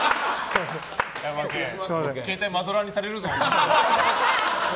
携帯、マドラーにされるぞ。